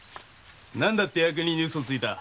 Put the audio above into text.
何だって役人に嘘をついた？